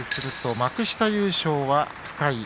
幕下優勝は深井。